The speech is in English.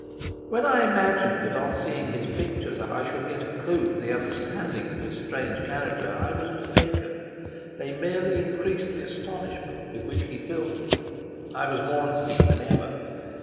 When I imagined that on seeing his pictures I should get a clue to the understanding of his strange character I was mistaken. They merely increased the astonishment with which he filled me. I was more at sea than ever.